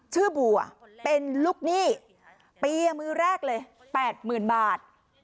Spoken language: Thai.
ชื่อบัวเป็นลูกหนี้ปียมือแรกเลยแปดหมื่นบาท